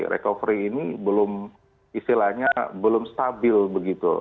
recovery ini belum istilahnya belum stabil begitu